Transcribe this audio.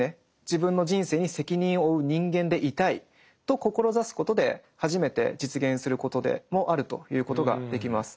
自分の人生に責任を負う人間でいたいと志すことで初めて実現することでもあると言うことができます。